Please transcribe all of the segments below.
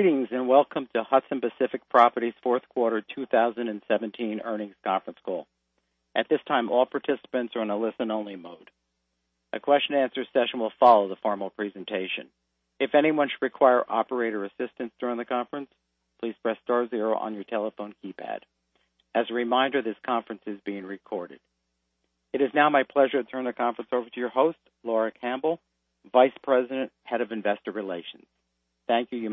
Greetings. Welcome to Hudson Pacific Properties' fourth quarter 2017 earnings conference call. At this time, all participants are on a listen-only mode. A question and answer session will follow the formal presentation. If anyone should require operator assistance during the conference, please press star zero on your telephone keypad. As a reminder, this conference is being recorded. It is now my pleasure to turn the conference over to your host, Laura Campbell, Vice President, Head of Investor Relations. Thank you.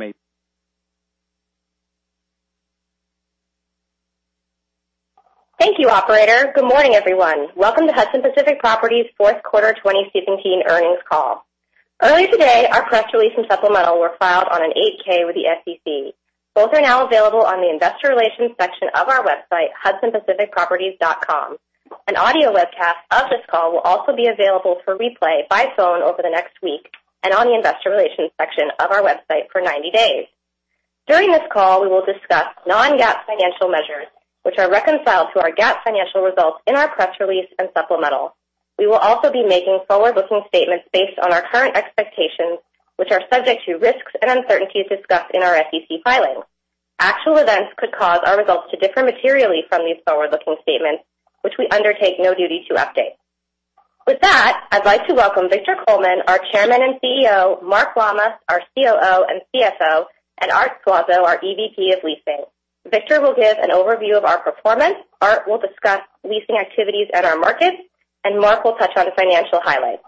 Thank you, operator. Good morning, everyone. Welcome to Hudson Pacific Properties' fourth quarter 2017 earnings call. Early today, our press release and supplemental were filed on an 8-K with the SEC. Both are now available on the investor relations section of our website, hudsonpacificproperties.com. An audio webcast of this call will also be available for replay by phone over the next week, and on the investor relations section of our website for 90 days. During this call, we will discuss non-GAAP financial measures, which are reconciled to our GAAP financial results in our press release and supplemental. We will also be making forward-looking statements based on our current expectations, which are subject to risks and uncertainties discussed in our SEC filings. Actual events could cause our results to differ materially from these forward-looking statements, which we undertake no duty to update. With that, I'd like to welcome Victor Coleman, our Chairman and CEO, Mark Lammas, our COO and CFO, and Art Suazo, our EVP of Leasing. Victor will give an overview of our performance, Art will discuss leasing activities at our markets, and Mark will touch on financial highlights.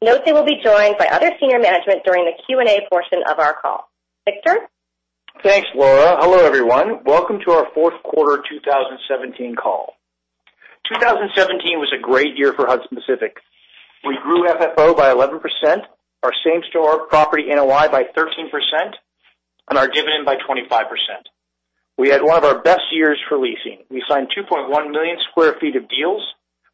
Note they will be joined by other senior management during the Q&A portion of our call. Victor? Thanks, Laura. Hello, everyone. Welcome to our fourth quarter 2017 call. 2017 was a great year for Hudson Pacific. We grew FFO by 11%, our same-store property NOI by 13%, and our dividend by 25%. We had one of our best years for leasing. We signed 2.1 million square feet of deals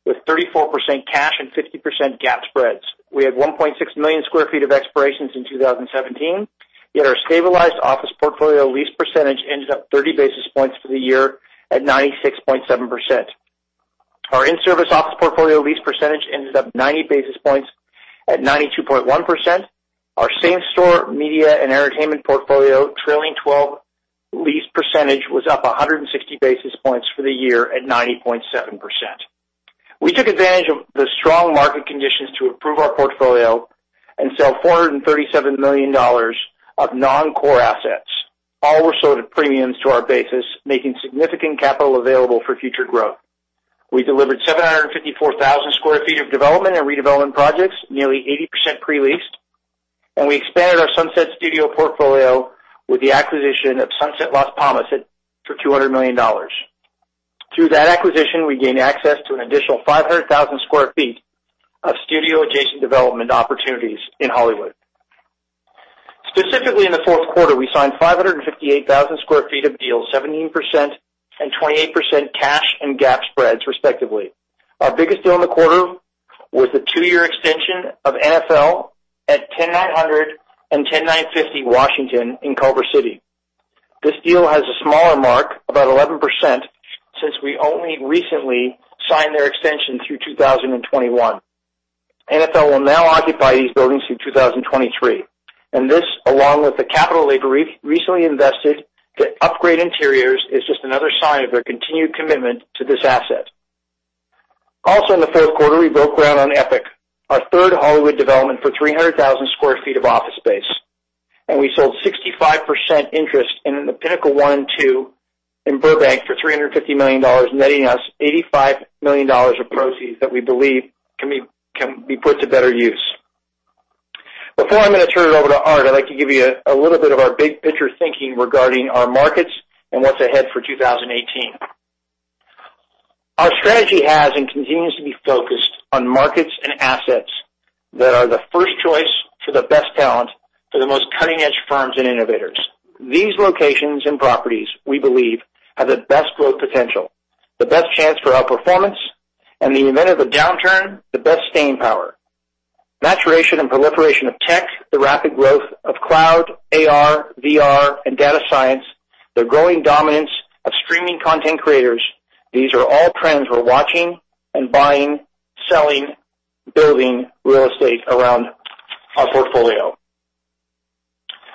with 34% cash and 50% GAAP spreads. We had 1.6 million square feet of expirations in 2017, yet our stabilized office portfolio lease percentage ended up 30 basis points for the year at 96.7%. Our in-service office portfolio lease percentage ended up 90 basis points at 92.1%. Our same-store media and entertainment portfolio trailing 12 lease percentage was up 160 basis points for the year at 90.7%. We took advantage of the strong market conditions to improve our portfolio and sell $437 million of non-core assets. All were sold at premiums to our basis, making significant capital available for future growth. We delivered 754,000 sq ft of development and redevelopment projects, nearly 80% pre-leased. We expanded our Sunset studio portfolio with the acquisition of Sunset Las Palmas for $200 million. Through that acquisition, we gained access to an additional 500,000 sq ft of studio-adjacent development opportunities in Hollywood. Specifically, in the fourth quarter, we signed 558,000 sq ft of deals, 17% and 28% cash and GAAP spreads, respectively. Our biggest deal in the quarter was the two-year extension of NFL at 10900 and 10950 Washington in Culver City. This deal has a smaller mark, about 11%, since we only recently signed their extension through 2021. NFL will now occupy these buildings through 2023. This, along with the capital they recently invested to upgrade interiors, is just another sign of their continued commitment to this asset. Also in the fourth quarter, we broke ground on Epic, our third Hollywood development, for 300,000 sq ft of office space. We sold 65% interest in the Pinnacle One and Two in Burbank for $350 million, netting us $85 million of proceeds that we believe can be put to better use. Before I'm going to turn it over to Art, I'd like to give you a little bit of our big-picture thinking regarding our markets and what's ahead for 2018. Our strategy has and continues to be focused on markets and assets that are the first choice for the best talent, for the most cutting-edge firms and innovators. These locations and properties, we believe, have the best growth potential, the best chance for outperformance, and in the event of a downturn, the best staying power. Maturation and proliferation of tech, the rapid growth of cloud, AR, VR, and data science, the growing dominance of streaming content creators. These are all trends we're watching and buying, selling, building real estate around our portfolio.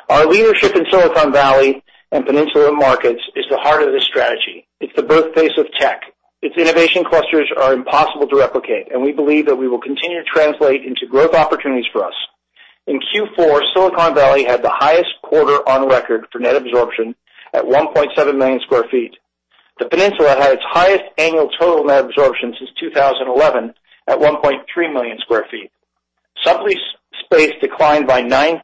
Our leadership in Silicon Valley and Peninsula markets is the heart of this strategy. It's the birthplace of tech. Its innovation clusters are impossible to replicate, and we believe that we will continue to translate into growth opportunities for us. In Q4, Silicon Valley had the highest quarter on record for net absorption at 1.7 million sq ft. The Peninsula had its highest annual total net absorption since 2011 at 1.3 million sq ft. Sublease space declined by 9%,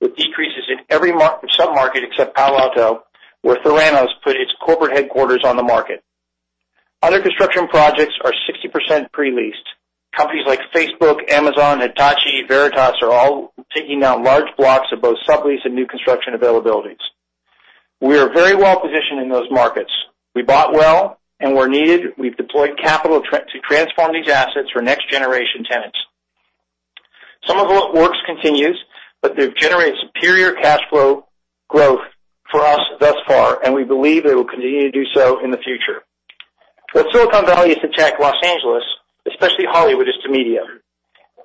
with decreases in every submarket except Palo Alto, where Theranos put its corporate headquarters on the market. Other construction projects are 60% pre-leased. Companies like Facebook, Amazon, Hitachi, Veritas are all taking down large blocks of both sublease and new construction availabilities. We are very well-positioned in those markets. We bought well, and where needed, we've deployed capital to transform these assets for next-generation tenants. Some of the works continues, but they've generated superior cash flow growth for us thus far, and we believe they will continue to do so in the future. What Silicon Valley is to tech, Los Angeles, especially Hollywood, is to media.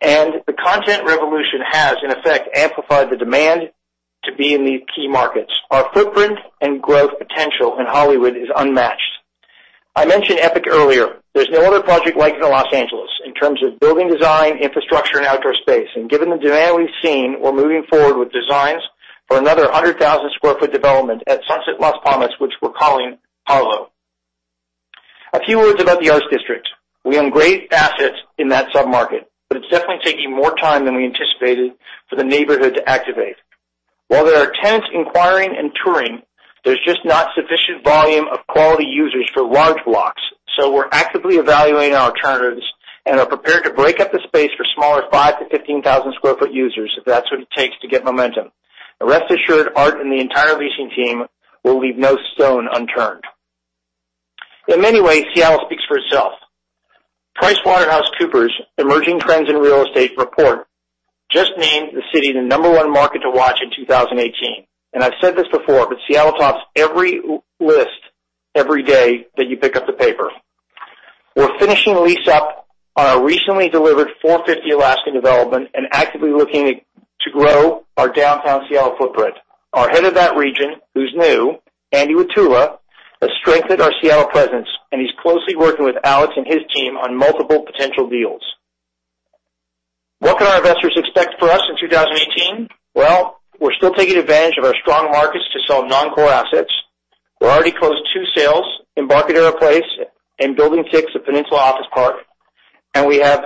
The content revolution has, in effect, amplified the demand to be in these key markets. Our footprint and growth potential in Hollywood is unmatched. I mentioned Epic earlier. There's no other project like it in Los Angeles in terms of building design, infrastructure, and outdoor space. Given the demand we've seen, we're moving forward with designs for another 100,000-square-foot development at Sunset Las Palmas, which we're calling Harlow. A few words about the Arts District. We own great assets in that sub-market, but it's definitely taking more time than we anticipated for the neighborhood to activate. While there are tenants inquiring and touring, there's just not sufficient volume of quality users for large blocks. We're actively evaluating our alternatives and are prepared to break up the space for smaller 5,000 to 15,000-square-foot users if that's what it takes to get momentum. Rest assured, Art and the entire leasing team will leave no stone unturned. In many ways, Seattle speaks for itself. PricewaterhouseCoopers' Emerging Trends in Real Estate® report just named the city the number one market to watch in 2018. I've said this before, Seattle tops every list every day that you pick up the paper. We're finishing a lease up on our recently delivered 450 Alaskan development and actively looking to grow our downtown Seattle footprint. Our head of that region, who's new, Andy Wattula, has strengthened our Seattle presence, and he's closely working with Alex and his team on multiple potential deals. What can our investors expect from us in 2018? Well, we're still taking advantage of our strong markets to sell non-core assets. We already closed two sales, Embarcadero Place and Building Six at Peninsula Office Park. We have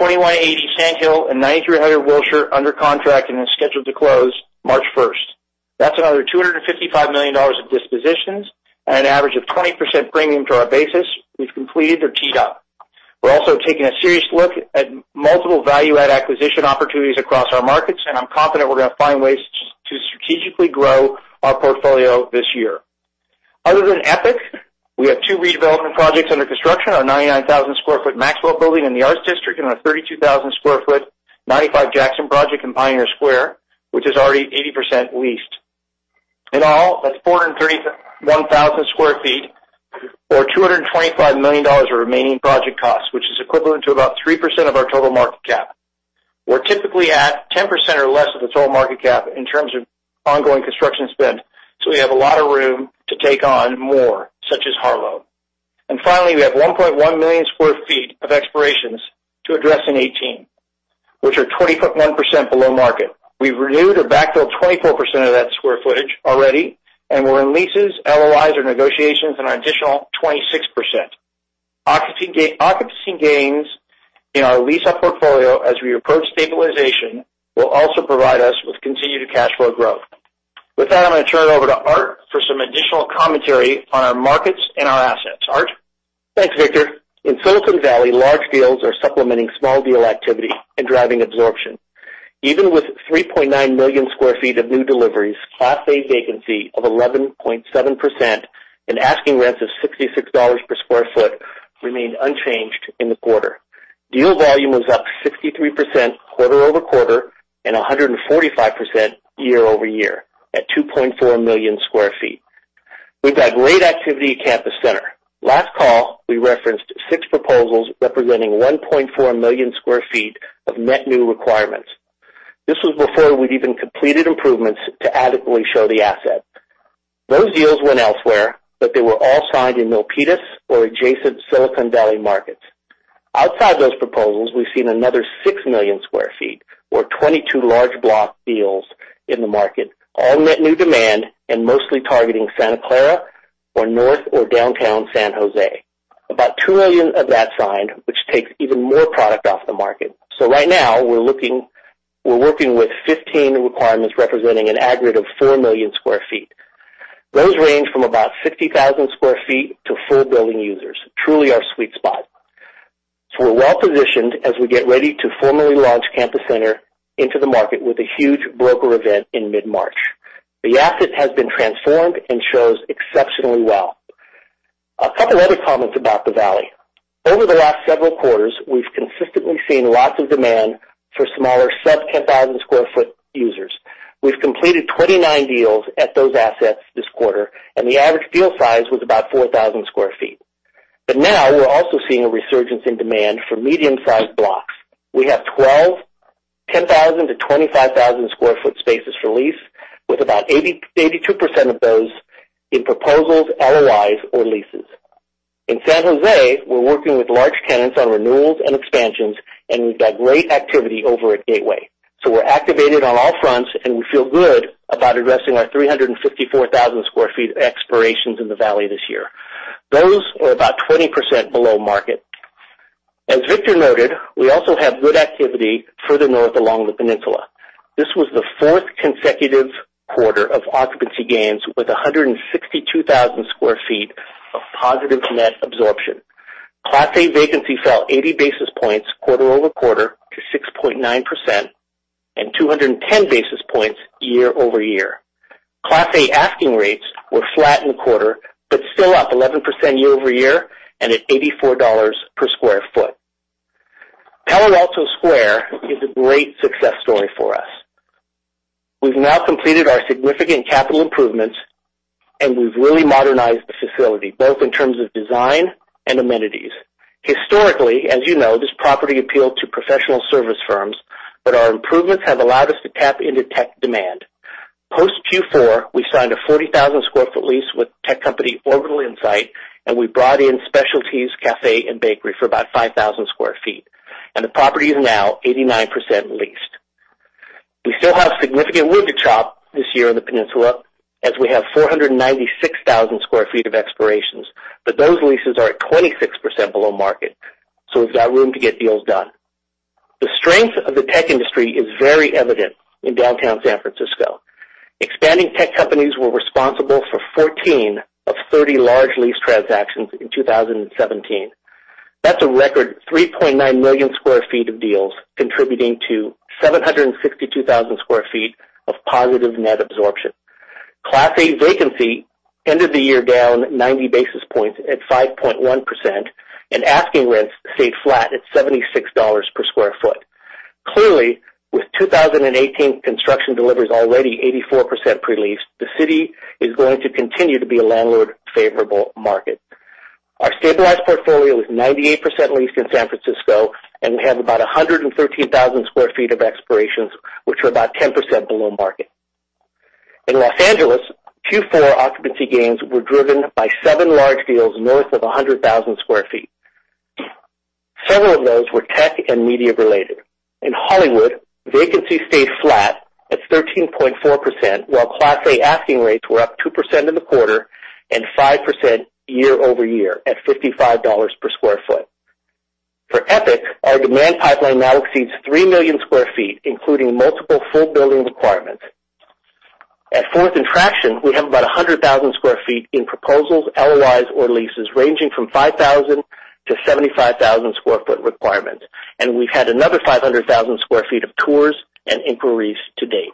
2180 Sand Hill and 9300 Wilshire under contract and then scheduled to close March 1st. That's another $255 million of dispositions at an average of 20% premium to our basis we've completed or teed up. We're also taking a serious look at multiple value-add acquisition opportunities across our markets, and I'm confident we're going to find ways to strategically grow our portfolio this year. Other than Epic, we have two redevelopment projects under construction, our 99,000-square-foot Maxwell building in the Arts District and our 32,000-square-foot 95 Jackson project in Pioneer Square, which is already 80% leased. In all, that's 431,000 square feet or $225 million of remaining project costs, which is equivalent to about 3% of our total market cap. We're typically at 10% or less of the total market cap in terms of ongoing construction spend, so we have a lot of room to take on more, such as Harlow. Finally, we have 1.1 million square feet of expirations to address in 2018, which are 20.1% below market. We've renewed or backfilled 24% of that square footage already, and we're in leases, LOIs, or negotiations on an additional 26%. Occupancy gains in our lease-up portfolio as we approach stabilization will also provide us with continued cash flow growth. With that, I'm going to turn it over to Art for some additional commentary on our markets and our assets. Art? Thanks, Victor. In Silicon Valley, large deals are supplementing small deal activity and driving absorption. Even with 3.9 million sq ft of new deliveries, Class A vacancy of 11.7% and asking rents of $66 per sq ft remained unchanged in the quarter. Deal volume was up 63% quarter-over-quarter and 145% year-over-year at 2.4 million sq ft. We've got great activity at Campus Center. Last call, we referenced six proposals representing 1.4 million sq ft of net new requirements. This was before we'd even completed improvements to adequately show the asset. Those deals went elsewhere, but they were all signed in Milpitas or adjacent Silicon Valley markets. Outside those proposals, we've seen another 6 million sq ft or 22 large block deals in the market, all net new demand and mostly targeting Santa Clara or North or downtown San Jose. About 2 million of that signed, which takes even more product off the market. Right now, we're working with 15 requirements representing an aggregate of 4 million sq ft. Those range from about 50,000 sq ft to full building users. Truly our sweet spot. We're well-positioned as we get ready to formally launch Campus Center into the market with a huge broker event in mid-March. The asset has been transformed and shows exceptionally well. A couple other comments about the Valley. Over the last several quarters, we've consistently seen lots of demand for smaller sub-10,000-sq-ft users. We've completed 29 deals at those assets this quarter, and the average deal size was about 4,000 sq ft. Now we're also seeing a resurgence in demand for medium-sized blocks. We have 12 10,000-25,000-sq-ft spaces for lease, with about 82% of those in proposals, LOIs, or leases. In San Jose, we're working with large tenants on renewals and expansions, and we've got great activity over at Gateway. We're activated on all fronts, and we feel good about addressing our 354,000 sq ft of expirations in the Valley this year. Those are about 20% below market. As Victor noted, we also have good activity further north along the Peninsula. This was the fourth consecutive quarter of occupancy gains with 162,000 sq ft of positive net absorption. Class A vacancy fell 80 basis points quarter-over-quarter to 6.9% and 210 basis points year-over-year. Class A asking rates were flat in the quarter but still up 11% year-over-year and at $84 per sq ft. Palo Alto Square is a great success story for us. We've now completed our significant capital improvements, and we've really modernized the facility, both in terms of design and amenities. Historically, as you know, this property appealed to professional service firms, but our improvements have allowed us to tap into tech demand. Post Q4, we signed a 40,000 sq ft lease with tech company Orbital Insight, and we brought in Specialty's Café & Bakery for about 5,000 sq ft, and the property is now 89% leased. We still have significant wood to chop this year in the Peninsula, as we have 496,000 sq ft of expirations, but those leases are at 26% below market, we've got room to get deals done. The strength of the tech industry is very evident in downtown San Francisco. Expanding tech companies were responsible for 14 of 30 large lease transactions in 2017. That's a record 3.9 million sq ft of deals contributing to 762,000 sq ft of positive net absorption. Class A vacancy ended the year down 90 basis points at 5.1%, and asking rents stayed flat at $76 per square foot. Clearly, with 2018 construction deliveries already 84% pre-leased, the city is going to continue to be a landlord-favorable market. Our stabilized portfolio is 98% leased in San Francisco, and we have about 113,000 square feet of expirations, which are about 10% below market. In L.A., Q4 occupancy gains were driven by seven large deals north of 100,000 square feet. Several of those were tech and media-related. In Hollywood, vacancy stayed flat at 13.4%, while Class A asking rates were up 2% in the quarter and 5% year-over-year at $55 per square foot. For Epic, our demand pipeline now exceeds 3 million square feet, including multiple full building requirements. At Fourth and Traction, we have about 100,000 square feet in proposals, LOIs, or leases ranging from 5,000 to 75,000 square foot requirement, and we've had another 500,000 square feet of tours and inquiries to date.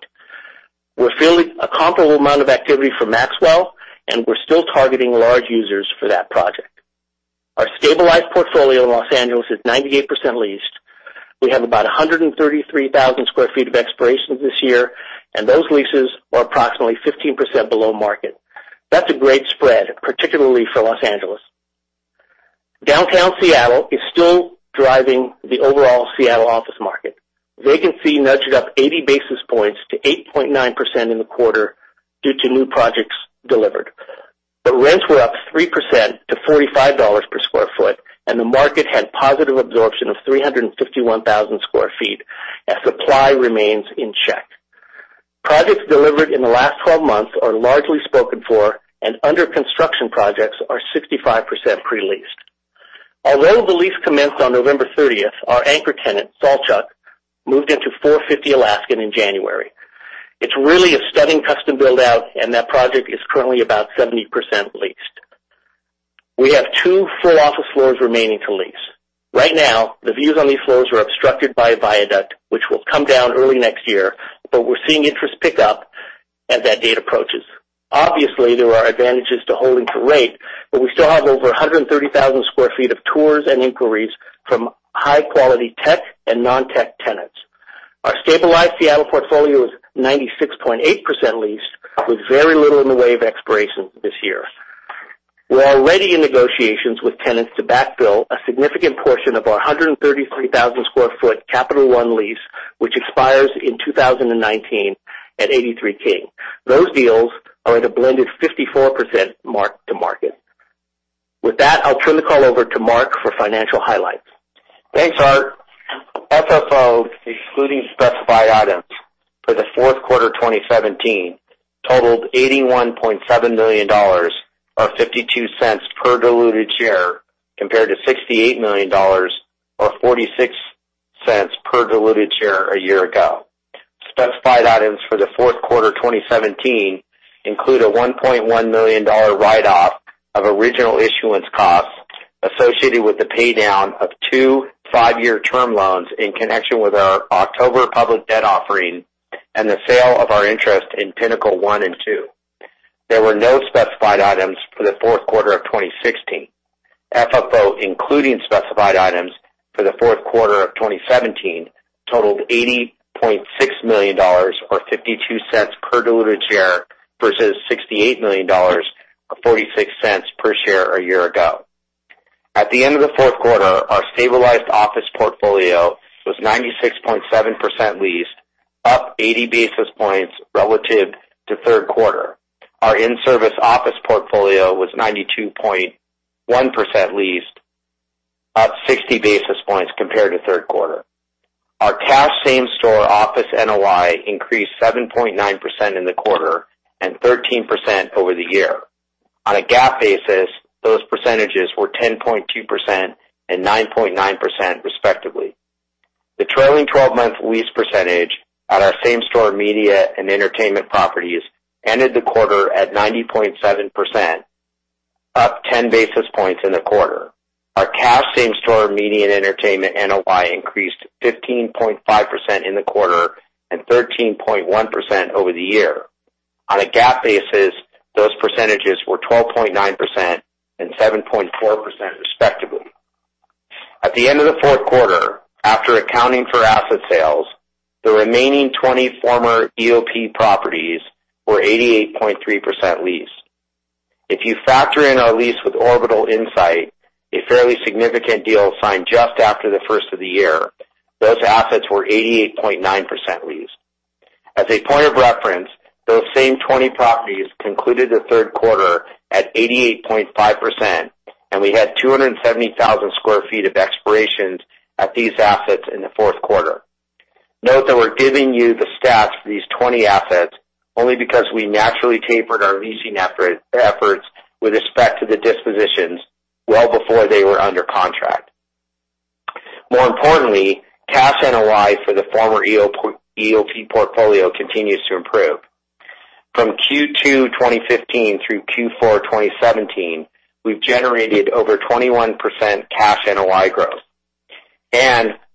We're feeling a comparable amount of activity from Maxwell, and we're still targeting large users for that project. Our stabilized portfolio in L.A. is 98% leased. We have about 133,000 square feet of expirations this year, and those leases are approximately 15% below market. That's a great spread, particularly for L.A. Downtown Seattle is still driving the overall Seattle office market. Vacancy nudged up 80 basis points to 8.9% in the quarter due to new projects delivered. Rents were up 3% to $45 per square foot, and the market had positive absorption of 351,000 square feet as supply remains in check. Projects delivered in the last 12 months are largely spoken for, and under construction projects are 65% pre-leased. Although the lease commenced on November 30th, our anchor tenant, Saltchuk, moved into 450 Alaskan in January. It's really a stunning custom build-out, and that project is currently about 70% leased. We have two full office floors remaining to lease. Right now, the views on these floors are obstructed by a viaduct, which will come down early next year, but we're seeing interest pick up as that date approaches. Obviously, there are advantages to holding to rate, but we still have over 130,000 square feet of tours and inquiries from high-quality tech and non-tech tenants. Our stabilized Seattle portfolio is 96.8% leased, with very little in the way of expirations this year. We're already in negotiations with tenants to backfill a significant portion of our 133,000 square foot Capital One lease, which expires in 2019 at 83 King. Those deals are at a blended 54% mark to market. With that, I'll turn the call over to Mark for financial highlights. Thanks, Art. FFO, excluding specified items for the fourth quarter 2017 totaled $81.7 million, or $0.52 per diluted share, compared to $68 million or $0.46 per diluted share a year ago. Specified items for the fourth quarter 2017 include a $1.1 million write-off of original issuance costs associated with the paydown of 2 five-year term loans in connection with our October public debt offering and the sale of our interest in Pinnacle One and Two. There were no specified items for the fourth quarter of 2016. FFO, including specified items for the fourth quarter of 2017, totaled $80.6 million, or $0.52 per diluted share, versus $68 million or $0.46 per share a year ago. At the end of the fourth quarter, our stabilized office portfolio was 96.7% leased, up 80 basis points relative to third quarter. Our in-service office portfolio was 92.1% leased, up 60 basis points compared to third quarter. Our cash same-store office NOI increased 7.9% in the quarter and 13% over the year. On a GAAP basis, those percentages were 10.2% and 9.9% respectively. The trailing 12-month lease percentage at our same-store media and entertainment properties ended the quarter at 90.7%, up 10 basis points in the quarter. Our cash same-store media and entertainment NOI increased 15.5% in the quarter and 13.1% over the year. On a GAAP basis, those percentages were 12.9% and 7.4%, respectively. At the end of the fourth quarter, after accounting for asset sales, the remaining 20 former EOP properties were 88.3% leased. If you factor in our lease with Orbital Insight, a fairly significant deal signed just after the first of the year, those assets were 88.9% leased. As a point of reference, those same 20 properties concluded the third quarter at 88.5%. We had 270,000 sq ft of expirations at these assets in the fourth quarter. Note that we're giving you the stats for these 20 assets only because we naturally tapered our leasing efforts with respect to the dispositions well before they were under contract. More importantly, cash NOI for the former EOP portfolio continues to improve. From Q2 2015 through Q4 2017, we've generated over 21% cash NOI growth.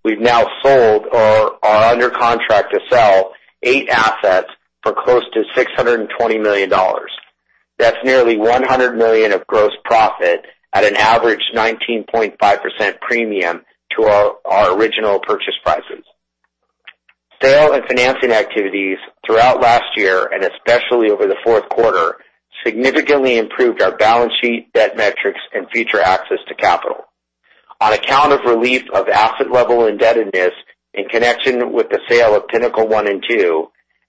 We've now sold or are under contract to sell 8 assets for close to $620 million. That's nearly $100 million of gross profit at an average 19.5% premium to our original purchase prices. Sale and financing activities throughout last year, and especially over the fourth quarter, significantly improved our balance sheet, debt metrics, and future access to capital. On account of relief of asset-level indebtedness in connection with the sale of Pinnacle One and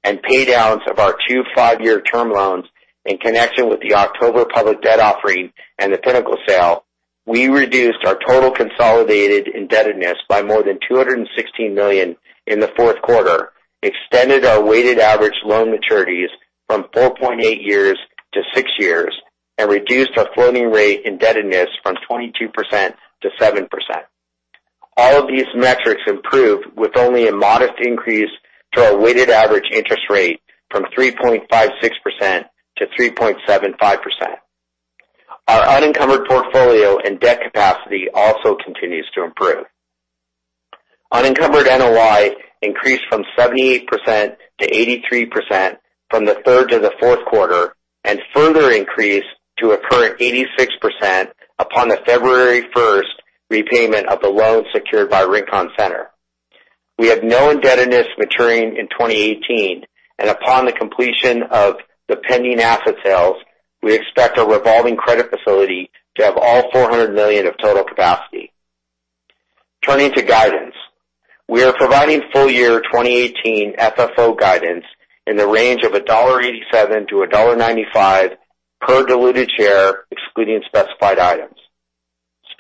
Two, paydowns of our 2 five-year term loans in connection with the October public debt offering and the Pinnacle sale, we reduced our total consolidated indebtedness by more than $216 million in the fourth quarter, extended our weighted average loan maturities from 4.8 years to 6 years, and reduced our floating rate indebtedness from 22% to 7%. All of these metrics improved with only a modest increase to our weighted average interest rate from 3.56% to 3.75%. Our unencumbered portfolio and debt capacity also continues to improve. Unencumbered NOI increased from 78% to 83% from the third to the fourth quarter, and further increased to a current 86% upon the February 1st repayment of the loan secured by Rincon Center. We have no indebtedness maturing in 2018. Upon the completion of the pending asset sales, we expect our revolving credit facility to have all $400 million of total capacity. Turning to guidance, we are providing full-year 2018 FFO guidance in the range of $1.87 to $1.95 per diluted share, excluding specified items.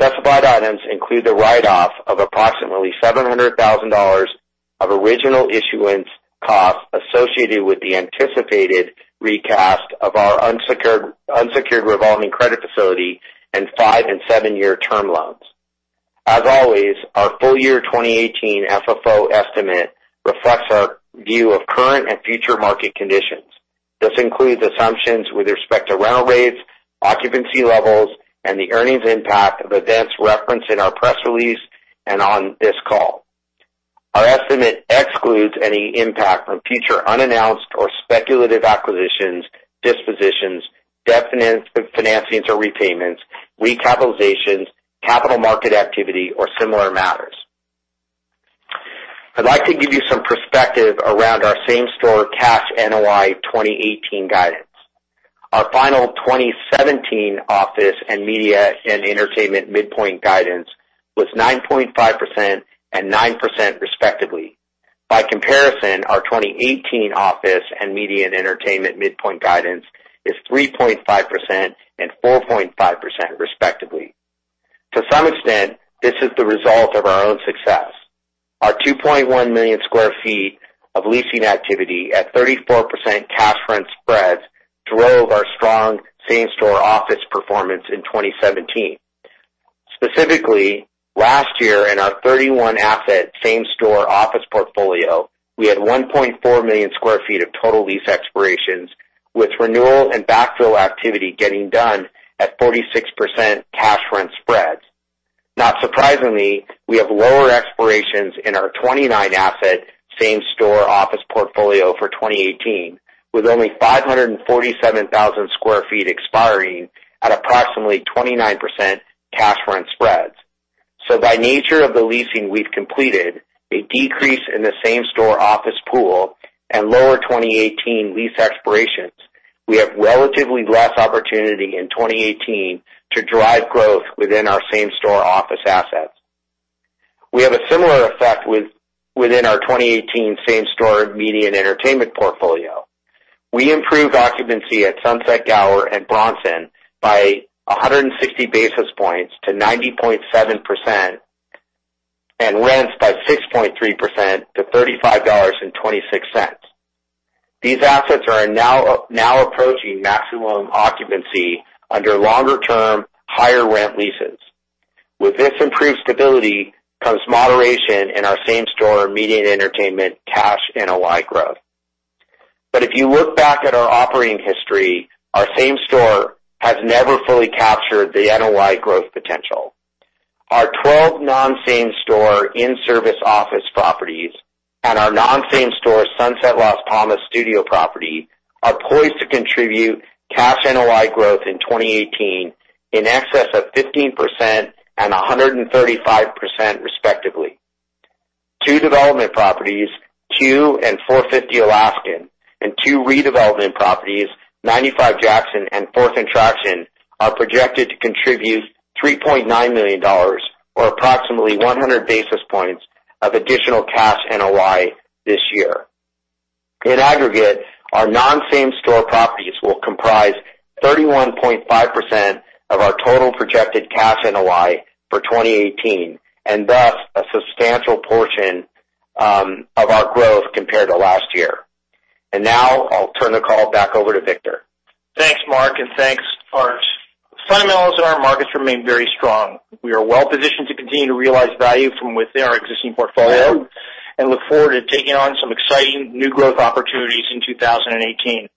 Specified items include the write-off of approximately $700,000 of original issuance costs associated with the anticipated recast of our unsecured revolving credit facility and five- and seven-year term loans. As always, our full-year 2018 FFO estimate reflects our view of current and future market conditions. This includes assumptions with respect to rental rates, occupancy levels, and the earnings impact of events referenced in our press release and on this call. Our estimate excludes any impact from future unannounced or speculative acquisitions, dispositions, financings or repayments, recapitalizations, capital market activity, or similar matters. I'd like to give you some perspective around our same-store cash NOI 2018 guidance. Our final 2017 office and media and entertainment midpoint guidance was 9.5% and 9%, respectively. By comparison, our 2018 office and media and entertainment midpoint guidance is 3.5% and 4.5%, respectively. To some extent, this is the result of our own success. Our 2.1 million square feet of leasing activity at 34% cash rent spreads drove our strong same-store office performance in 2017. Specifically, last year in our 31-asset same-store office portfolio, we had 1.4 million square feet of total lease expirations, with renewal and backfill activity getting done at 46% cash rent spreads. Not surprisingly, we have lower expirations in our 29-asset same-store office portfolio for 2018, with only 547,000 square feet expiring at approximately 29% cash rent spreads. By nature of the leasing we've completed, a decrease in the same-store office pool and lower 2018 lease expirations, we have relatively less opportunity in 2018 to drive growth within our same-store office assets. We have a similar effect within our 2018 same-store media and entertainment portfolio. We improved occupancy at Sunset Gower and Bronson by 160 basis points to 90.7% and rents by 6.3% to $35.26. These assets are now approaching maximum occupancy under longer-term, higher-rent leases. With this improved stability comes moderation in our same-store media and entertainment cash NOI growth. If you look back at our operating history, our same store has never fully captured the NOI growth potential. Our 12 non-same-store in-service office properties and our non-same-store, Sunset Las Palmas studio property, are poised to contribute cash NOI growth in 2018, in excess of 15% and 135%, respectively. Two development properties, two and 450 Alaskan, and two redevelopment properties, 95 Jackson and Fourth and Traction, are projected to contribute $3.9 million, or approximately 100 basis points of additional cash NOI this year. In aggregate, our non-same-store properties will comprise 31.5% of our total projected cash NOI for 2018, and thus, a substantial portion of our growth compared to last year. Now I'll turn the call back over to Victor. Thanks, Mark, and thanks, Art. Fundamentals in our markets remain very strong. We are well-positioned to continue to realize value from within our existing portfolio and look forward to taking on some exciting new growth opportunities in 2018.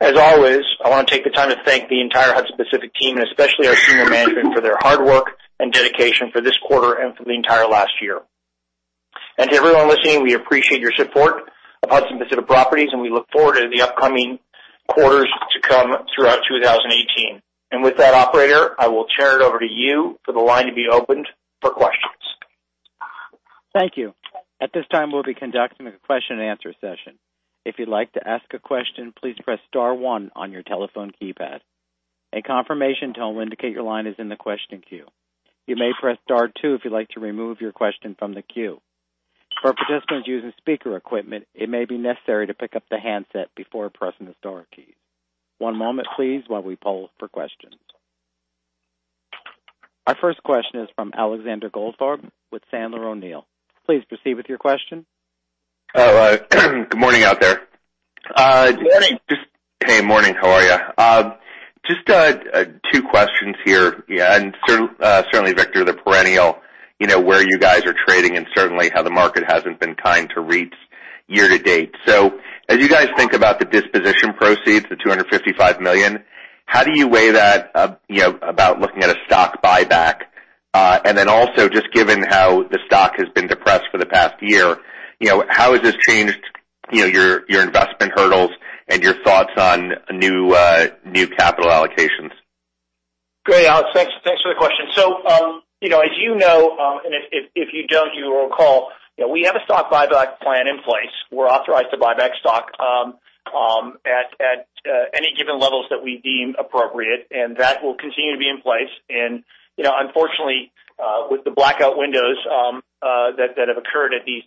As always, I want to take the time to thank the entire Hudson Pacific team, and especially our senior management, for their hard work and dedication for this quarter and for the entire last year. To everyone listening, we appreciate your support of Hudson Pacific Properties, and we look forward to the upcoming quarters to come throughout 2018. With that, operator, I will turn it over to you for the line to be opened for questions. Thank you. At this time, we'll be conducting a question and answer session. If you'd like to ask a question, please press star one on your telephone keypad. A confirmation tone will indicate your line is in the question queue. You may press star two if you'd like to remove your question from the queue. For participants using speaker equipment, it may be necessary to pick up the handset before pressing the star keys. One moment please, while we poll for questions. Our first question is from Alexander Goldfarb with Sandler O'Neill. Please proceed with your question. Good morning out there. Morning. Hey. Morning. How are you? Just two questions here, and certainly, Victor, the perennial, where you guys are trading and certainly how the market hasn't been kind to REITs year-to-date. As you guys think about the disposition proceeds, the $255 million, how do you weigh that about looking at a stock buyback? Then also just given how the stock has been depressed for the past year, how has this changed your investment hurdles and your thoughts on new capital allocations? Great, Alex. Thanks for the question. As you know, and if you don't, you will recall, we have a stock buyback plan in place. We're authorized to buy back stock at any given levels that we deem appropriate, and that will continue to be in place. Unfortunately, with the blackout windows that have occurred at these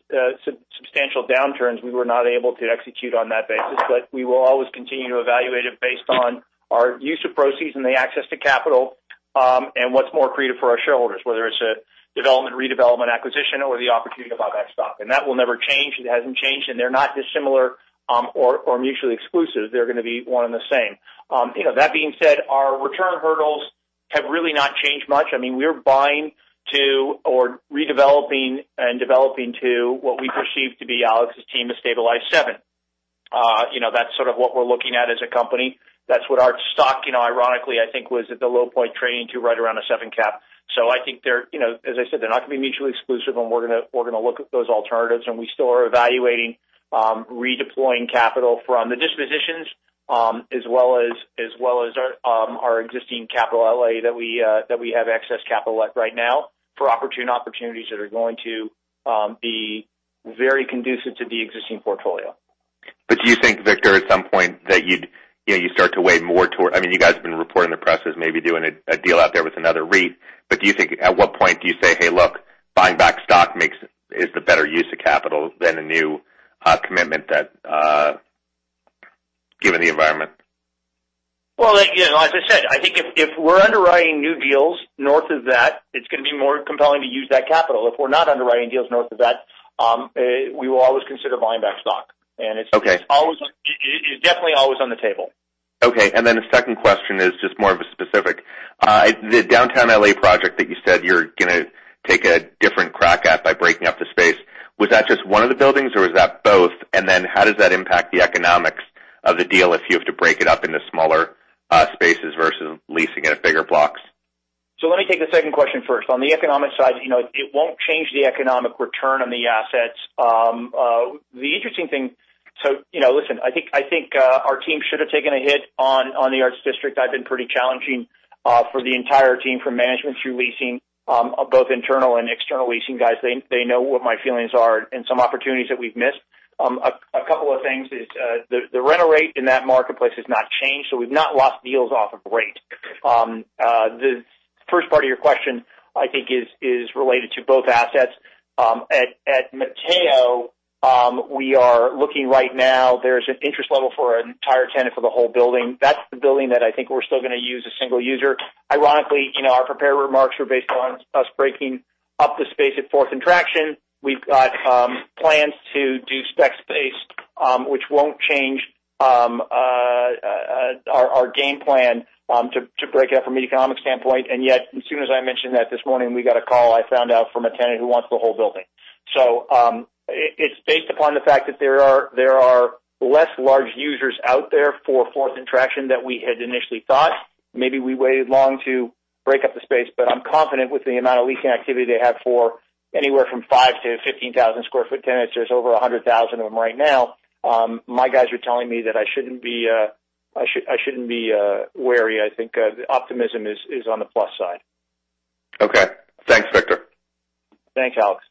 substantial downturns, we were not able to execute on that basis. We will always continue to evaluate it based on our use of proceeds and the access to capital, and what's more accretive for our shareholders, whether it's a development, redevelopment, acquisition, or the opportunity to buy back stock. That will never change. It hasn't changed, and they're not dissimilar or mutually exclusive. They're going to be one and the same. That being said, our return hurdles have really not changed much. We're buying to, or redeveloping and developing to what we perceive to be Alex's team, a stabilized seven. That's sort of what we're looking at as a company. That's what our stock ironically, I think, was at the low point trading to right around a seven cap. I think as I said, they're not going to be mutually exclusive and we're going to look at those alternatives, and we still are evaluating redeploying capital from the dispositions as well as our existing capital L.A. that we have excess capital at right now for opportune opportunities that are going to be very conducive to the existing portfolio. Do you think, Victor, at some point that you'd start to weigh more toward You guys have been reporting the press as maybe doing a deal out there with another REIT, but at what point do you say, "Hey, look, buying back stock is the better use of capital than a new commitment given the environment? As I said, I think if we're underwriting new deals north of that, it's going to be more compelling to use that capital. If we're not underwriting deals north of that, we will always consider buying back stock. Okay. It's definitely always on the table. Okay. Then the second question is just more of a specific. The downtown L.A. project that you said you're going to take a different crack at by breaking up the space. Was that just one of the buildings or was that both? Then how does that impact the economics of the deal if you have to break it up into smaller spaces versus leasing it at bigger blocks? Let me take the second question first. On the economic side, it won't change the economic return on the assets. The interesting thing. Listen, I think our team should have taken a hit on the Arts District. I've been pretty challenging for the entire team from management through leasing, both internal and external leasing guys. They know what my feelings are and some opportunities that we've missed. A couple of things is the rental rate in that marketplace has not changed, so we've not lost deals off of rate. The first part of your question, I think, is related to both assets. At Mateo, we are looking right now, there's an interest level for an entire tenant for the whole building. That's the building that I think we're still going to use a single user. Ironically, our prepared remarks were based on us breaking up the space at Fourth and Traction. We've got plans to do spec space, which won't change our game plan to break it up from an economic standpoint. Yet, as soon as I mentioned that this morning, we got a call, I found out from a tenant who wants the whole building. It's based upon the fact that there are less large users out there for Fourth and Traction than we had initially thought. Maybe we waited long to break up the space. But I'm confident with the amount of leasing activity they have for anywhere from 5,000 square foot-15,000 square foot tenants. There's over 100,000 of them right now. My guys are telling me that I shouldn't be wary. I think optimism is on the plus side. Okay. Thanks, Victor. Thanks, Alex.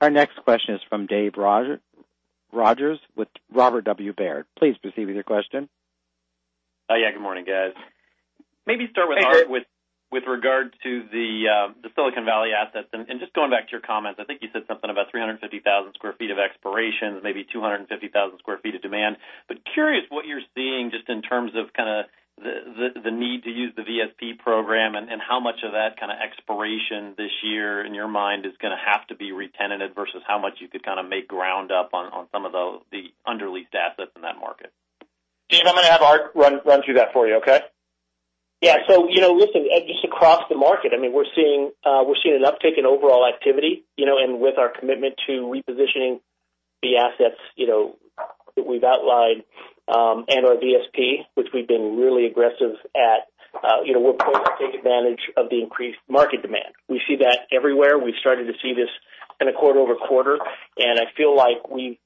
Our next question is from Dave Rodgers with Robert W. Baird. Please proceed with your question. Yeah. Good morning, guys. Maybe start with- Hey, Dave. Art, with regards to the Silicon Valley assets. Just going back to your comments, I think you said something about 350,000 square feet of expirations, maybe 250,000 square feet of demand. Curious what you're seeing just in terms of the need to use the VSP program, and how much of that kind of expiration this year, in your mind, is going to have to be re-tenanted versus how much you could kind of make ground up on some of the under-leased assets in that market. Dave, I'm going to have Art run through that for you, okay? Yeah. Listen, just across the market, we're seeing an uptick in overall activity, and with our commitment to repositioning the assets that we've outlined and our VSP, which we've been really aggressive at. We're poised to take advantage of the increased market demand. We see that everywhere. We've started to see this in a quarter-over-quarter, and I feel like we've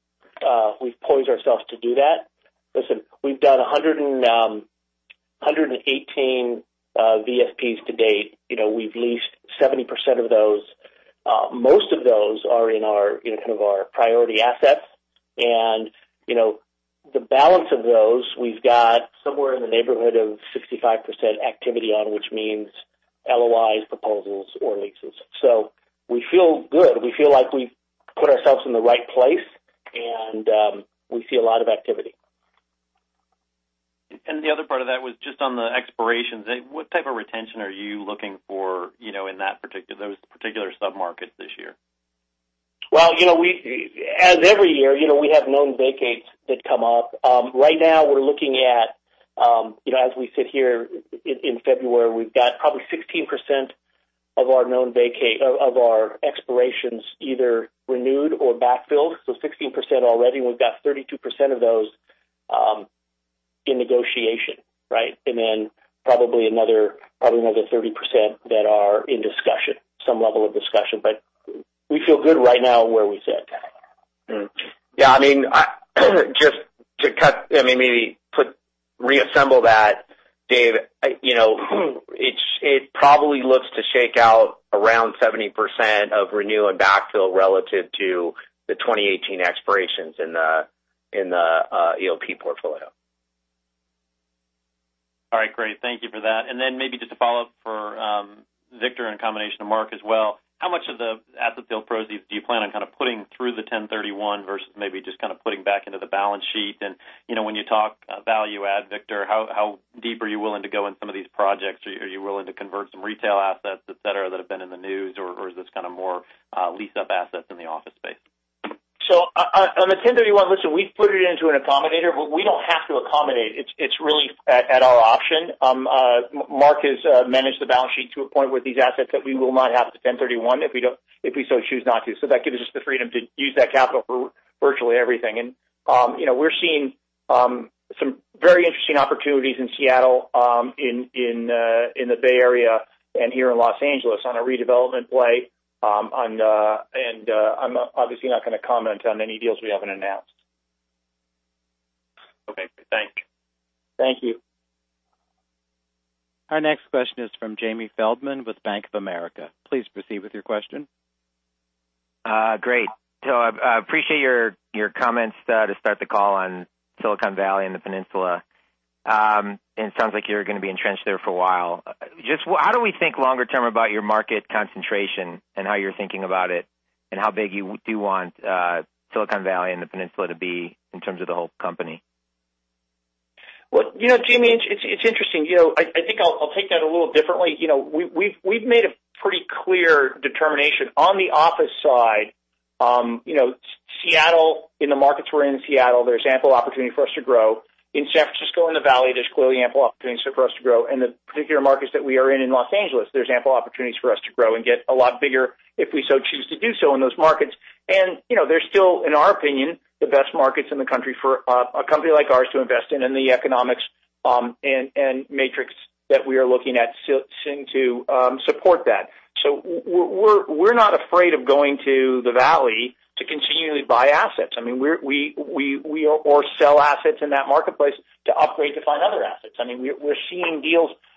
poised ourselves to do that. Listen, we've done 118 VSPs to date. We've leased 70% of those. Most of those are in our priority assets. The balance of those, we've got somewhere in the neighborhood of 65% activity on, which means LOIs, proposals, or leases. We feel good. We feel like we've put ourselves in the right place, and we see a lot of activity. The other part of that was just on the expirations. What type of retention are you looking for in those particular sub-markets this year? As every year, we have known vacates that come up. Right now, we're looking at, as we sit here in February, we've got probably 16% of our expirations either renewed or backfilled. 16% already. We've got 32% of those in negotiation. Probably another 30% that are in some level of discussion. We feel good right now where we sit. Just to reassemble that, Dave, it probably looks to shake out around 70% of renew and backfill relative to the 2018 expirations in the EOP portfolio. All right, great. Thank you for that. Maybe just a follow-up for Victor in combination to Mark as well. How much of the asset sale proceeds do you plan on kind of putting through the 1031 versus maybe just kind of putting back into the balance sheet? When you talk value add, Victor, how deep are you willing to go in some of these projects? Are you willing to convert some retail assets, et cetera, that have been in the news, or is this kind of more leased-up assets in the office space? On the 1031, listen, we've put it into an accommodator, but we don't have to accommodate. It's really at our option. Mark has managed the balance sheet to a point with these assets that we will not have to 1031 if we so choose not to. That gives us the freedom to use that capital for virtually everything. We're seeing some very interesting opportunities in Seattle, in the Bay Area, and here in Los Angeles on a redevelopment play. I'm obviously not going to comment on any deals we haven't announced. Okay. Thank you. Thank you. Our next question is from Jamie Feldman with Bank of America. Please proceed with your question. Great. I appreciate your comments to start the call on Silicon Valley and the Peninsula. It sounds like you're going to be entrenched there for a while. Just how do we think longer term about your market concentration and how you're thinking about it, and how big do you want Silicon Valley and the Peninsula to be in terms of the whole company? Well, Jamie, it's interesting. I think I'll take that a little differently. We've made a pretty clear determination on the office side. In the markets we're in Seattle, there's ample opportunity for us to grow. In San Francisco and the Valley, there's clearly ample opportunities for us to grow. The particular markets that we are in Los Angeles, there's ample opportunities for us to grow and get a lot bigger if we so choose to do so in those markets. They're still, in our opinion, the best markets in the country for a company like ours to invest in, and the economics and metrics that we are looking at seem to support that. We're not afraid of going to the Valley to continually buy assets or sell assets in that marketplace to upgrade to find other assets.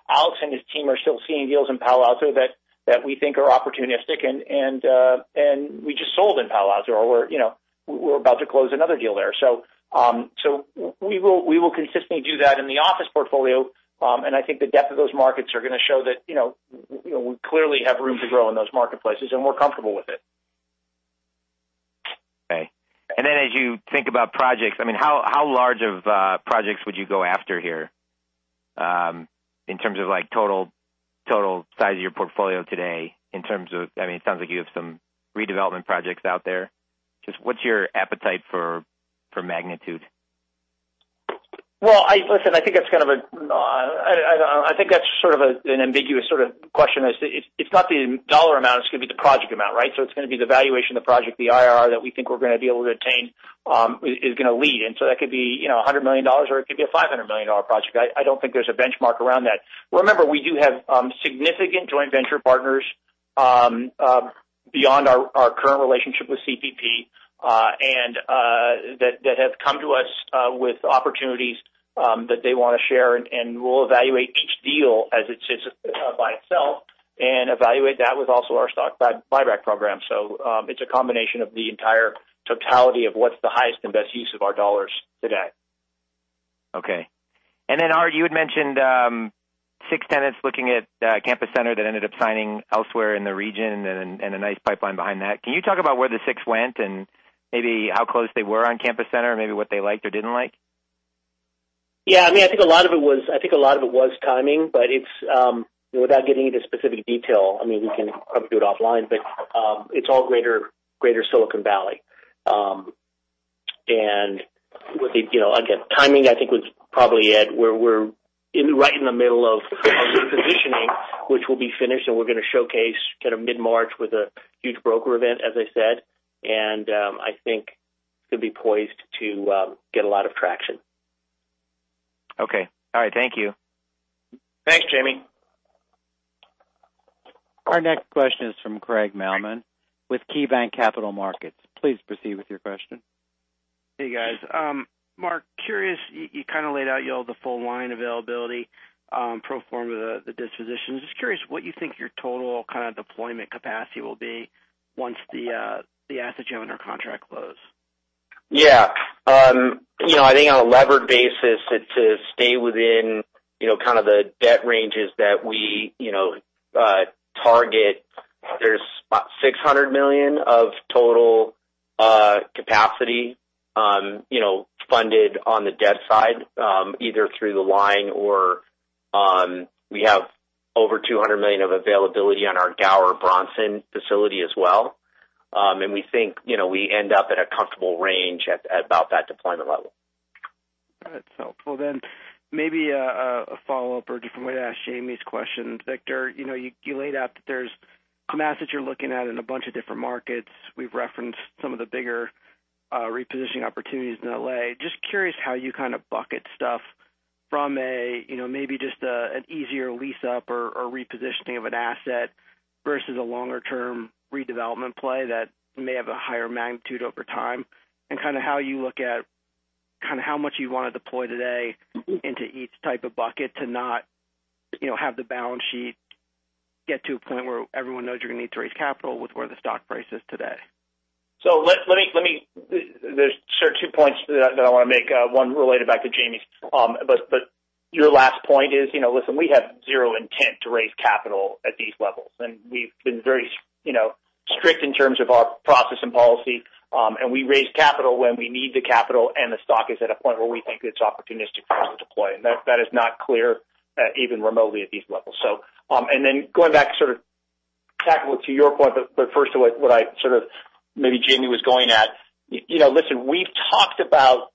Alex and his team are still seeing deals in Palo Alto that we think are opportunistic. We just sold in Palo Alto, or we're about to close another deal there. We will consistently do that in the office portfolio. I think the depth of those markets are going to show that we clearly have room to grow in those marketplaces, and we're comfortable with it. Okay. As you think about projects, how large of projects would you go after here in terms of total size of your portfolio today? It sounds like you have some redevelopment projects out there. Just what's your appetite for magnitude? Well, listen, I think that's sort of an ambiguous sort of question. It's not the dollar amount, it's going to be the project amount. It's going to be the valuation of the project, the IRR that we think we're going to be able to attain is going to lead. That could be $100 million, or it could be a $500 million project. I don't think there's a benchmark around that. Remember, we do have significant joint venture partners Beyond our current relationship with CPP, and that have come to us with opportunities that they want to share. We'll evaluate each deal as it sits by itself and evaluate that with also our stock buyback program. It's a combination of the entire totality of what's the highest and best use of our dollars today. Okay. Art, you had mentioned six tenants looking at Campus Center that ended up signing elsewhere in the region and a nice pipeline behind that. Can you talk about where the six went and maybe how close they were on Campus Center? Maybe what they liked or didn't like? Yeah. I think a lot of it was timing, but without getting into specific detail, we can probably do it offline, but it's all greater Silicon Valley. Again, timing, I think, was probably it. We're right in the middle of a repositioning which will be finished, and we're going to showcase kind of mid-March with a huge broker event, as I said. I think going to be poised to get a lot of traction. Okay. All right. Thank you. Thanks, Jamie. Our next question is from Craig Mailman with KeyBanc Capital Markets. Please proceed with your question. Hey, guys. Mark, curious, you kind of laid out the full line availability, pro forma, the dispositions. Just curious what you think your total kind of deployment capacity will be once the asset owner contract close. Yeah. I think on a levered basis, to stay within kind of the debt ranges that we target, there's about $600 million of total capacity funded on the debt side, either through the line or we have over $200 million of availability on our Gower Bronson facility as well. We think we end up at a comfortable range at about that deployment level. That's helpful then. Maybe a follow-up or a different way to ask Jamie's question. Victor, you laid out that there's mass that you're looking at in a bunch of different markets. We've referenced some of the bigger repositioning opportunities in L.A. Just curious how you kind of bucket stuff from maybe just an easier lease-up or repositioning of an asset versus a longer-term redevelopment play that may have a higher magnitude over time, and kind of how you look at how much you want to deploy today into each type of bucket to not have the balance sheet get to a point where everyone knows you're going to need to raise capital with where the stock price is today. There's two points that I want to make. One related back to Jamie's. Your last point is, listen, we have zero intent to raise capital at these levels, and we've been very strict in terms of our process and policy. We raise capital when we need the capital, the stock is at a point where we think it's opportunistic capital deploy, that is not clear even remotely at these levels. Going back sort of tackle to your point, first to what maybe Jamie was going at. Listen, we've talked about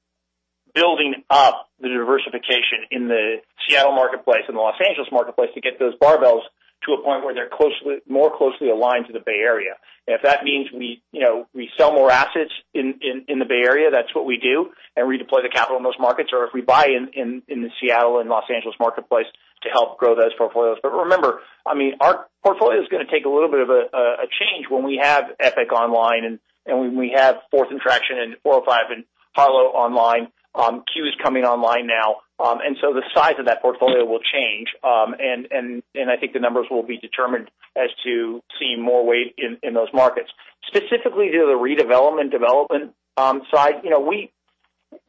building up the diversification in the Seattle marketplace and the Los Angeles marketplace to get those barbells to a point where they're more closely aligned to the Bay Area. If that means we sell more assets in the Bay Area, that's what we do, and redeploy the capital in those markets, or if we buy in the Seattle and Los Angeles marketplace to help grow those portfolios. Remember, our portfolio is going to take a little bit of a change when we have Epic online, and when we have Fourth and Traction and 405 and Harlow online. CUE is coming online now. The size of that portfolio will change. I think the numbers will be determined as to seeing more weight in those markets. Specifically to the redevelopment/development side,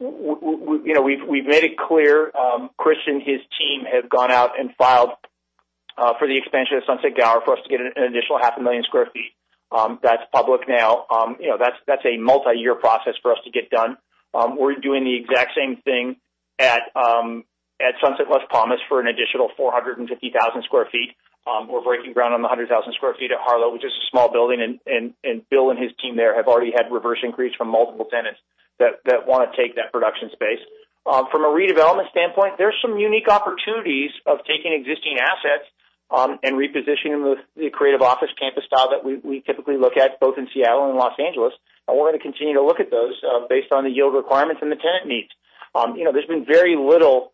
we've made it clear, Christian, his team have gone out and filed for the expansion of Sunset Gower for us to get an additional half a million square feet. That's public now. That's a multi-year process for us to get done. We're doing the exact same thing at Sunset Las Palmas for an additional 450,000 square feet. We're breaking ground on the 100,000 square feet at Harlow, which is a small building. Bill and his team there have already had reverse inquiries from multiple tenants that want to take that production space. From a redevelopment standpoint, there's some unique opportunities of taking existing assets and repositioning the creative office campus style that we typically look at, both in Seattle and Los Angeles. We're going to continue to look at those based on the yield requirements and the tenant needs. There's been very little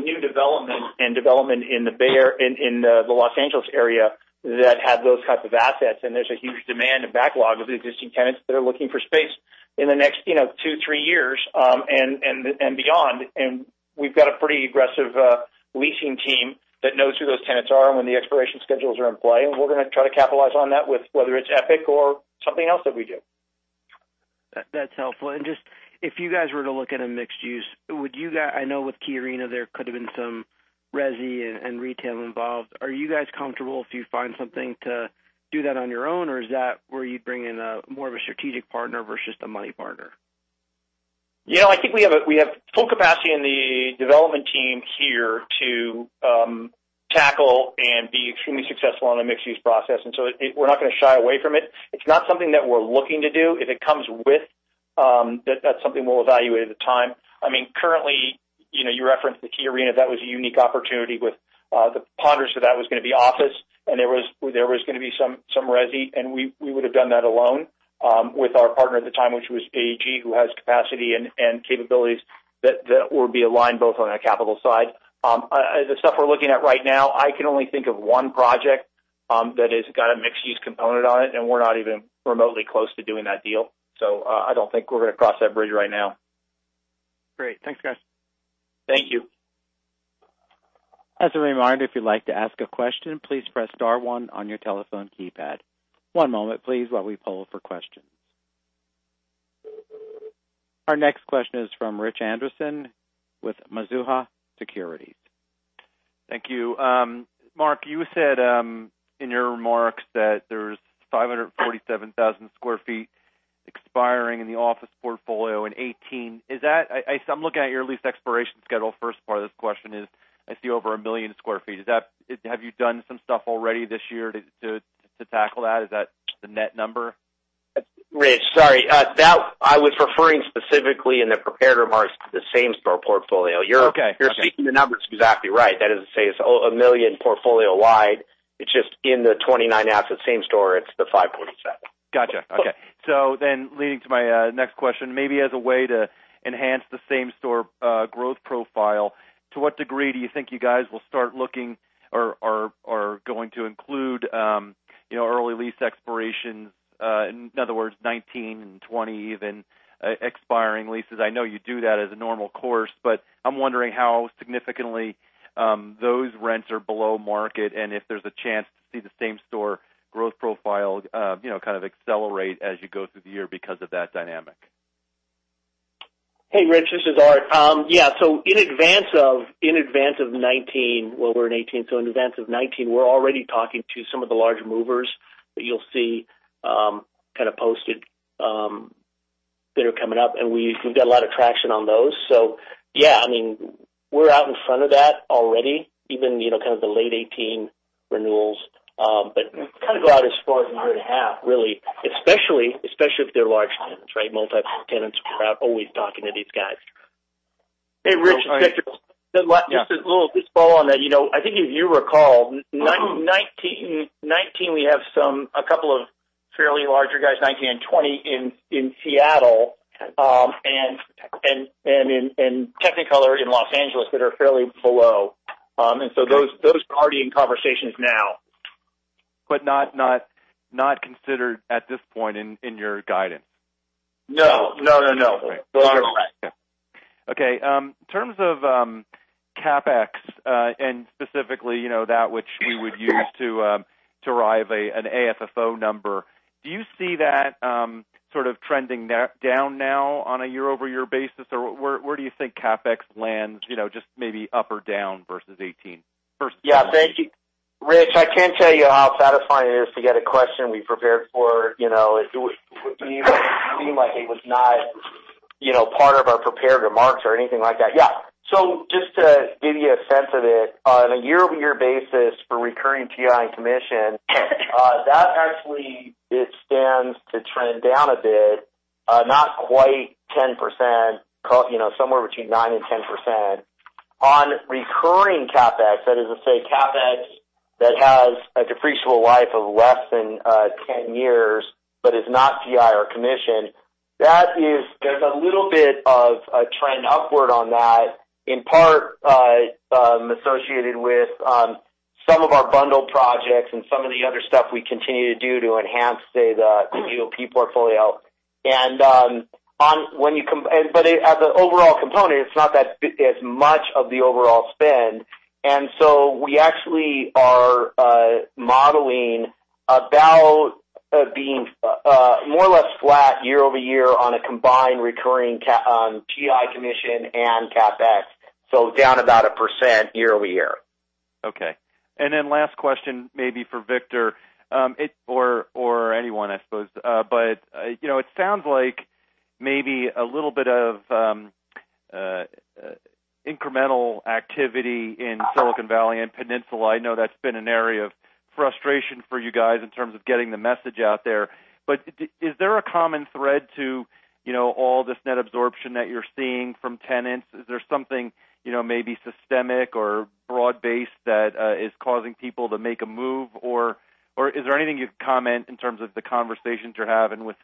new development and development in the Los Angeles area that have those types of assets, there's a huge demand and backlog of existing tenants that are looking for space in the next two, three years and beyond. We've got a pretty aggressive leasing team that knows who those tenants are and when the expiration schedules are in play, and we're going to try to capitalize on that, whether it's Epic or something else that we do. That's helpful. Just if you guys were to look at a mixed-use, I know with KeyArena, there could have been some resi and retail involved. Are you guys comfortable if you find something to do that on your own, or is that where you bring in more of a strategic partner versus the money partner? I think we have full capacity in the development team here to tackle and be extremely successful on the mixed-use process. We're not going to shy away from it. It's not something that we're looking to do. If it comes with, that's something we'll evaluate at the time. Currently, you referenced the KeyArena. That was a unique opportunity with the partner. That was going to be office, and there was going to be some resi, and we would have done that alone with our partner at the time, which was AEG, who has capacity and capabilities that would be aligned both on a capital side. The stuff we're looking at right now, I can only think of one project That has got a mixed-use component on it, and we're not even remotely close to doing that deal. I don't think we're going to cross that bridge right now. Great. Thanks, guys. Thank you. As a reminder, if you'd like to ask a question, please press star one on your telephone keypad. One moment, please, while we poll for questions. Our next question is from Rich Anderson with Mizuho Securities. Thank you. Mark, you said in your remarks that there's 547,000 sq ft expiring in the office portfolio in 2018. I'm looking at your lease expiration schedule. First part of this question is, I see over 1 million sq ft. Have you done some stuff already this year to tackle that? Is that the net number? Rich, sorry. I was referring specifically in the prepared remarks to the same-store portfolio. Okay. You're seeing the numbers exactly right. That is to say, it's $1 million portfolio-wide. It's just in the 29 assets same store, it's the $547. Got you. Okay. Leading to my next question, maybe as a way to enhance the same-store growth profile, to what degree do you think you guys will start looking or are going to include early lease expirations, in other words, 2019 and 2020 even, expiring leases. I know you do that as a normal course, but I'm wondering how significantly those rents are below market, and if there's a chance to see the same-store growth profile kind of accelerate as you go through the year because of that dynamic. Hey, Rich, this is Art. Yeah. In advance of 2019, well, we're in 2018, in advance of 2019, we're already talking to some of the large movers that you'll see kind of posted that are coming up, and we've got a lot of traction on those. Yeah, we're out in front of that already, even kind of the late 2018 renewals. Kind of go out as far as a year and a half, really, especially if they're large tenants, right? Multi-tenants. We're always talking to these guys. Hey, Rich, Victor. Yeah. Just to follow on that. I think if you recall, 2019 we have a couple of fairly larger guys, 2019 and 2020 in Seattle, and Technicolor in Los Angeles that are fairly below. So those are already in conversations now. Not considered at this point in your guidance. No. Okay. They're on the list. Okay. In terms of CapEx, and specifically, that which we would use to derive an AFFO number, do you see that sort of trending down now on a year-over-year basis? Where do you think CapEx lands, just maybe up or down versus 2018? Thank you. Rich, I can't tell you how satisfying it is to get a question we prepared for. It would seem like it was not part of our prepared remarks or anything like that. Yeah. Just to give you a sense of it, on a year-over-year basis for recurring TI commission, that actually stands to trend down a bit, not quite 10%, somewhere between 9% and 10%. On recurring CapEx, that is to say CapEx that has a depreciable life of less than 10 years, but is not TI or commission. There's a little bit of a trend upward on that, in part associated with some of our bundled projects and some of the other stuff we continue to do to enhance, say, the EOP portfolio. As an overall component, it's not as much of the overall spend. We actually are modeling about being more or less flat year-over-year on a combined recurring TI commission and CapEx. Down about 1% year-over-year. Okay. Last question maybe for Victor, or anyone, I suppose. It sounds like maybe a little bit of incremental activity in Silicon Valley and Peninsula. I know that's been an area of frustration for you guys in terms of getting the message out there. Is there a common thread to all this net absorption that you're seeing from tenants? Is there something maybe systemic or broad-based that is causing people to make a move? Is there anything you'd comment in terms of the conversations you're having with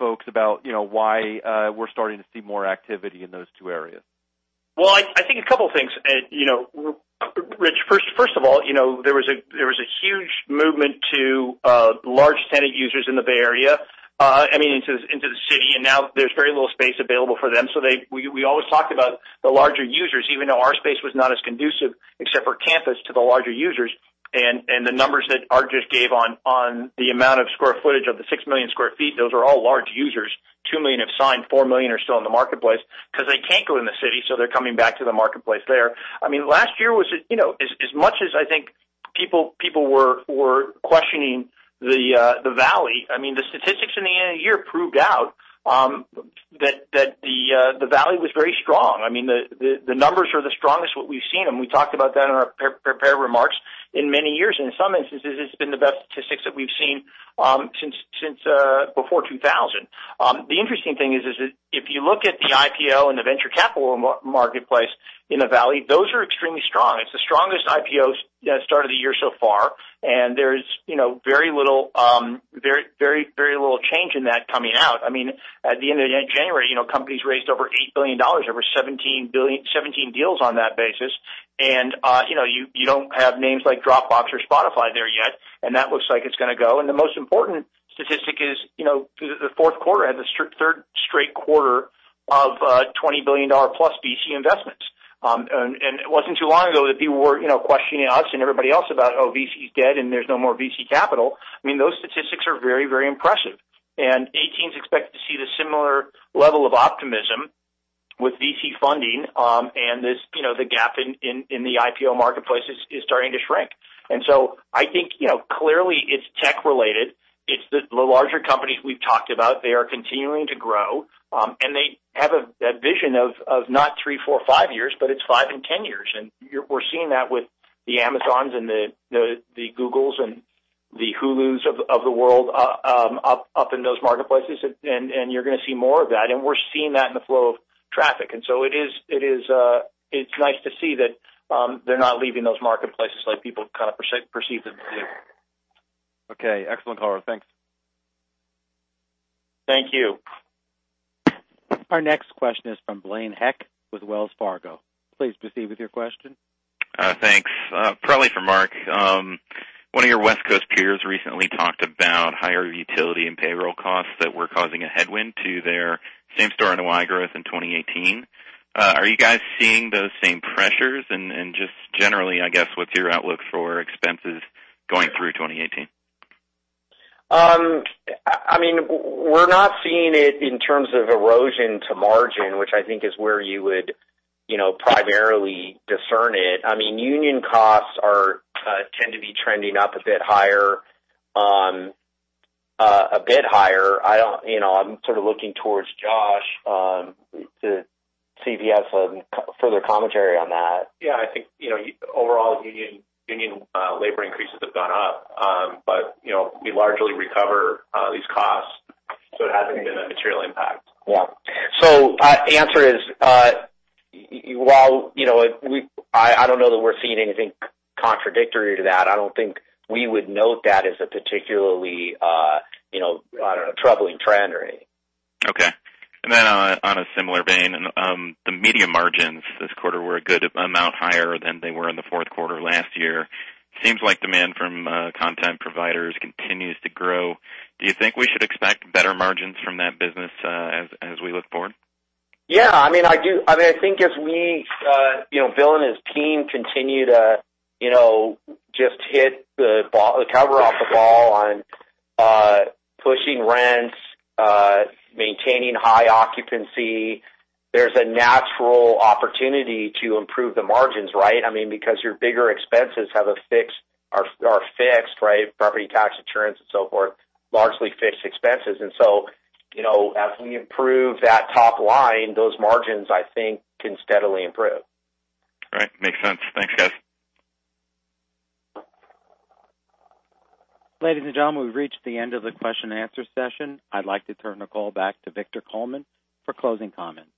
folks about why we're starting to see more activity in those two areas? Well, I think a couple things. Rich, first of all, there was a huge movement to large tenant users in the Bay Area, I mean, into the city. Now there's very little space available for them. We always talked about the larger users, even though our space was not as conducive, except for campus, to the larger users. The numbers that Art just gave on the amount of square footage of the 6 million sq ft, those are all large users. 2 million have signed, 4 million are still in the marketplace because they can't go in the city, so they're coming back to the marketplace there. Last year, as much as I think people were questioning the Valley, the statistics in the end of the year proved out that the Valley was very strong. The numbers are the strongest what we've seen, we talked about that in our prepared remarks, in many years. In some instances, it's been the best statistics that we've seen since before 2000. The interesting thing is if you look at the IPO and the venture capital marketplace in the Valley, those are extremely strong. It's the strongest IPO start of the year so far, and there's very little change in that coming out. At the end of January, companies raised over $8 billion, over 17 deals on that basis. You don't have names like Dropbox or Spotify there yet, and that looks like it's going to go. The most important statistic is the fourth quarter had the third straight quarter of $20 billion plus VC investments. It wasn't too long ago that people were questioning us and everybody else about, oh, VC's dead, and there's no more VC capital. I mean, those statistics are very, very impressive. 2018 is expected to see the similar level of optimism with VC funding, and the gap in the IPO marketplace is starting to shrink. So I think, clearly, it's tech related. It's the larger companies we've talked about. They are continuing to grow, and they have a vision of not three, four, five years, but it's five and 10 years. We're seeing that with the Amazons and the Googles and the Hulus of the world up in those marketplaces, and you're going to see more of that. We're seeing that in the flow of traffic, so it's nice to see that they're not leaving those marketplaces like people kind of perceived them to leave. Okay. Excellent, call. Thanks. Thank you. Our next question is from Blaine Heck with Wells Fargo. Please proceed with your question. Thanks. Probably for Mark. One of your West Coast peers recently talked about higher utility and payroll costs that were causing a headwind to their same-store NOI growth in 2018. Are you guys seeing those same pressures? Just generally, I guess, what's your outlook for expenses going through 2018? I mean, we're not seeing it in terms of erosion to margin, which I think is where you would primarily discern it. I mean, union costs tend to be trending up a bit higher. I'm sort of looking towards Josh to see if he has further commentary on that. I think, overall, union labor increases have gone up, but we largely recover these costs, so it hasn't been a material impact. Answer is, I don't know that we're seeing anything contradictory to that. I don't think we would note that as a particularly troubling trend or anything. Okay. On a similar vein, the media margins this quarter were a good amount higher than they were in the fourth quarter last year. Seems like demand from content providers continues to grow. Do you think we should expect better margins from that business as we look forward? I mean, I think as we, Bill and his team, continue to just hit the cover off the ball on pushing rents, maintaining high occupancy. There's a natural opportunity to improve the margins, right? I mean, because your bigger expenses are fixed, right? Property tax, insurance, and so forth, largely fixed expenses. As we improve that top line, those margins, I think, can steadily improve. All right. Makes sense. Thanks, guys. Ladies and gentlemen, we've reached the end of the question and answer session. I'd like to turn the call back to Victor Coleman for closing comments.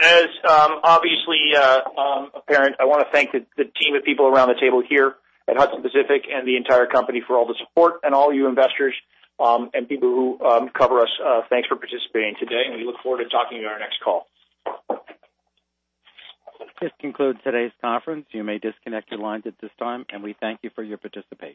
As obviously apparent, I want to thank the team of people around the table here at Hudson Pacific and the entire company for all the support and all you investors and people who cover us. Thanks for participating today, and we look forward to talking to you on our next call. This concludes today's conference. You may disconnect your lines at this time, and we thank you for your participation.